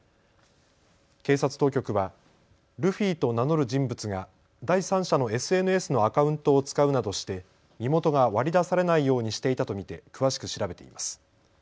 警察当局はルフィと名乗る人物が第三者のＳＮＳのアカウントを使うなどして身元が割り出されないようにしていたと見て詳しく調べています。